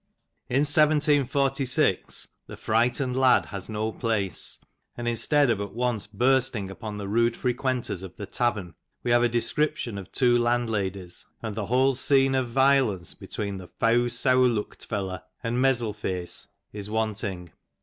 In 1746 the frightened lad has no place, and instead of at once bursting upon the rude frequenters of the tavern we have a descrip tion of two landladies, and the whole scene of violence between the "feaw seawr lookt felley^' and "mezzil fease" is wanting.